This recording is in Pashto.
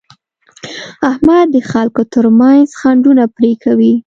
احمد د خلکو ترمنځ خنډونه پرې کوي.